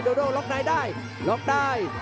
โดโด่ล็อคในได้ล็อคได้